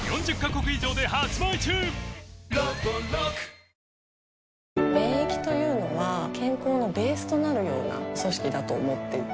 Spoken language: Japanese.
岩手の人間としてすごい誇ら免疫というのは健康のベースとなるような組織だと思っていて。